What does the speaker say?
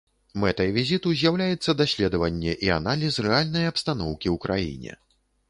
Мэтай візіту з'яўляецца даследаванне і аналіз рэальнай абстаноўкі ў краіне.